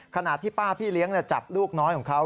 ขณะที่ป้าพี่เลี้ยงจับลูกน้อยของเขา